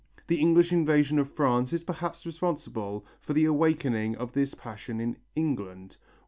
The English invasion of France is perhaps responsible for the awakening of this passion in England.